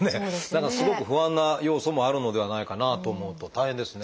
何かすごく不安な要素もあるのではないかなと思うと大変ですね。